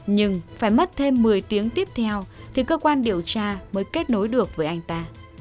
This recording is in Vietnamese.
nhưng phải mất thêm một mươi tiếng tiếp theo thì cơ quan điều tra mới kết nối được với anh ta